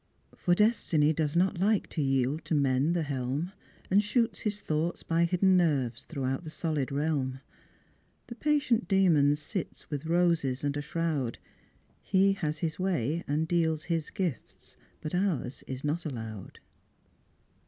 For Destiny does not like To yield to men the helm, And shoots his thoughts by hidden nerve* Throughout the solid realm. The patient Damon sits With roses and a shroud; He has his way, and deals his gifts — But ours is not allow'd."